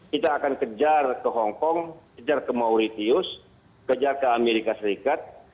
kita akan kejar ke hongkong kejar ke mauritius kejar ke amerika serikat